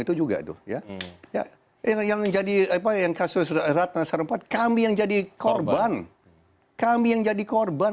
itu juga tuh ya yang jadi apa yang kasus ratna sarumpat kami yang jadi korban kami yang jadi korban